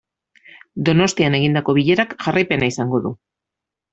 Donostian egindako bilerak jarraipena izango du.